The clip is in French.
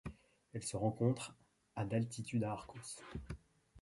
Elle se rencontre à d'altitude à Arcos.